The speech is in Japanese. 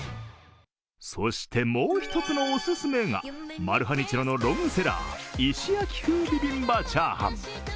そして、もう一つのオススメがマルハニチロのロングセラー、石焼風ビビンバ炒飯。